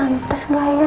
jadi terangkan saya